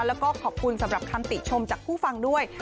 แล้วก็ขอบคุณสำหรับคำติชมจากผู้ฟังด้วย